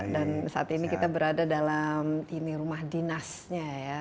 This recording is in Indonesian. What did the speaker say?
dan saat ini kita berada dalam rumah dinasnya ya